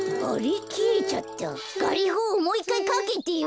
ガリホもう１かいかけてよ。